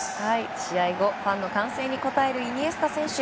試合後ファンの歓声に応えるイニエスタ選手。